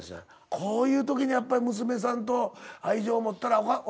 こういうときやっぱ娘さんと愛情持ったら「お父さん。